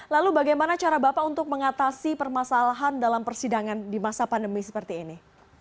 lalu bagaimana cara bapak untuk mengatasi permasalahan dalam persidangan di masa pandemi seperti ini